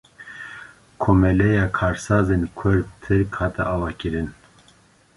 Komeleya Karsazên Kurd-Tirk hate avakirin